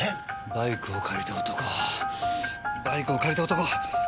バイクを借りた男バイクを借りた男！